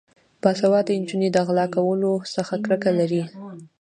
باسواده نجونې د غلا کولو څخه کرکه لري.